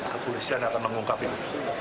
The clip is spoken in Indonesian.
kepolisian akan mengungkap itu